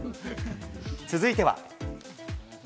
続いては。